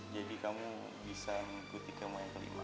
jadi kamu bisa ngikutin kamu yang terima